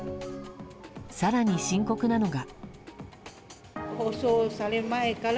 更に深刻なのが。